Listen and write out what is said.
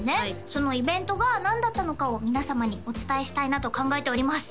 そのイベントが何だったのかを皆様にお伝えしたいなと考えております